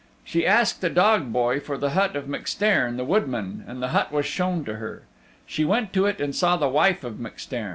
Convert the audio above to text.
She asked a dog boy for the hut of MacStairn the Woodman and the hut was shown to her. She went to it and saw the wife of MacStairn.